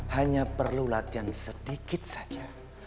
hanya perlu latihan sedikit saja